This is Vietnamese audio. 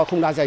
không đa dạy